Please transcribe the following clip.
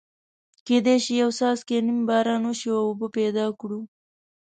کېدای شي یو څاڅکی نیم باران وشي او اوبه پیدا کړو.